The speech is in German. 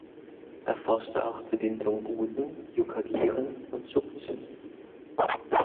Er forschte auch zu den Tungusen, Jukagiren und Tschuktschen.